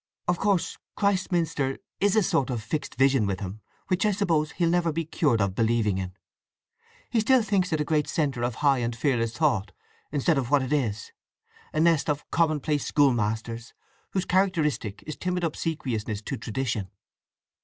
"Of course Christminster is a sort of fixed vision with him, which I suppose he'll never be cured of believing in. He still thinks it a great centre of high and fearless thought, instead of what it is, a nest of commonplace schoolmasters whose characteristic is timid obsequiousness to tradition."